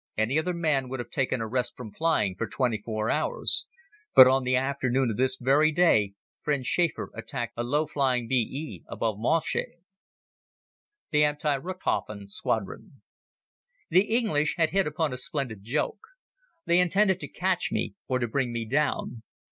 Any other man would have taken a rest from flying for twenty four hours. But on the afternoon of this very day friend Schäfer attacked a low flying B. E. above Monchy. The Anti Richthofen Squadron THE English had hit upon a splendid joke. They intended to catch me or to bring me down.